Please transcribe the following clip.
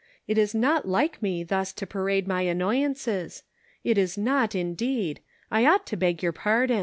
It is not like me thus to parade my annoyances ; it is not, indeed ; I ought to beg your pardon."